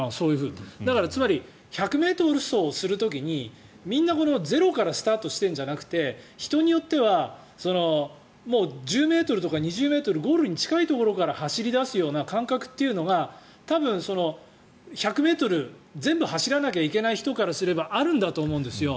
だからつまり１００ｍ走をする時にみんなゼロからスタートしているんじゃなくて人によっては１０ｍとか２０ｍゴールに近いところから走り出すような感覚というのが多分、１００ｍ全部走らなきゃいけない人からすればあるんだと思うんですよ。